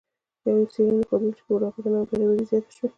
یوې څیړنې ښودلې چې په اروپا کې نابرابري زیاته شوې